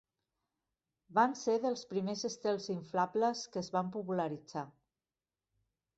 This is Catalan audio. Van ser dels primers estels inflables que es van popularitzar.